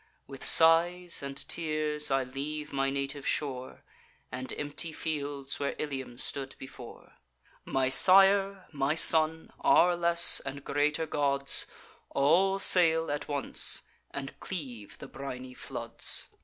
With sighs and tears I leave my native shore, And empty fields, where Ilium stood before. My sire, my son, our less and greater gods, All sail at once, and cleave the briny floods.